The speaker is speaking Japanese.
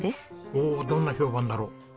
おおどんな評判だろう？